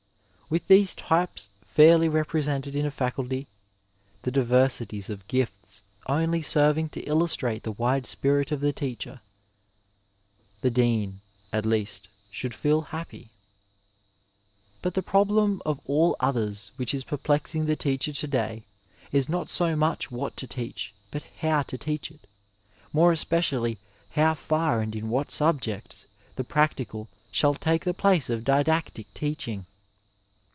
With these types fairly re presented in a faculty, the diversities of gifts only serving to i&ustnte the wide spirit of the teacher, the Dean at least should feel happy. But the problem of all others which is perplexing the teacher to day is not so much what to teach, but how to teach it, more especially how far and in what subjects the practical shall take the place of didactic teaching.